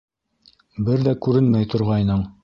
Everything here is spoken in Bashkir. Бер ҙә күренмәй торғайның.